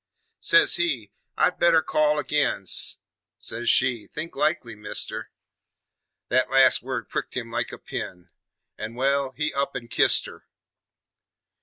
Says he, "I'd better call agin"; Says she, "Think likely, Mister"; Thet last word pricked him like a pin, An' ... Wal, he up an' kist her.